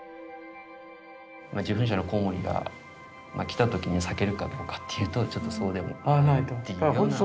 受粉者のコウモリが来た時に咲けるかどうかっていうとちょっとそうでもないっていうような。